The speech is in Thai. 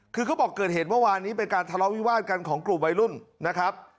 คือเขาบอกเกิดเหตุเมื่อวานนี้เป็นการทะเลาะวิวาดกันของกลุ่มวัยรุ่นนะครับ